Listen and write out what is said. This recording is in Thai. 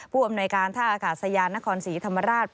อำนวยการท่าอากาศยานนครศรีธรรมราช